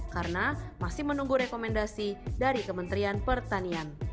karena masih menunggu rekomendasi dari kementerian pertanian